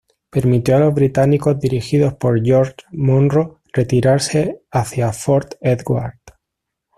Permitió a los británicos dirigidos por George Monro retirarse hacia Fort Edward.